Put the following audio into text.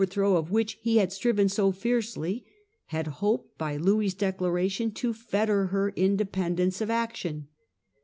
throw of which he had striven so fiercely, had hoped by Louis's declaration to fetter her independence of action.